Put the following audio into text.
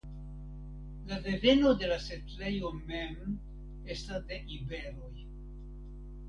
La deveno de la setlejo mem estas de iberoj.